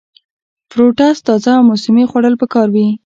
فروټس تازه او موسمي خوړل پکار وي -